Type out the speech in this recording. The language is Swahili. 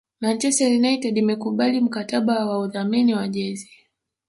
Manchester United imekubali mkataba wa udhamini wa jezi